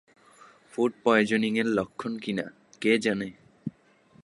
Food পয়জনিং-এর লক্ষণ কি না কে জানে?